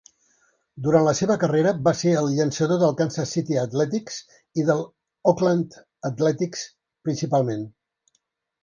Durant la seva carrera, va ser el llançador del Kansas City Athletics i del Oakland Athletics principalment.